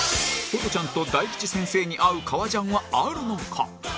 ホトちゃんと大吉先生に合う革ジャンはあるのか？